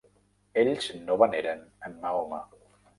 Ells no veneren en Mahoma.